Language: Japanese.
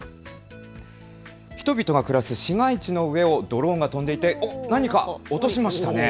人々が暮らす市街地の上をドローンが飛んでいて何か落としましたね。